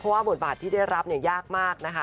เพราะบทบาทที่ได้รับยากมาก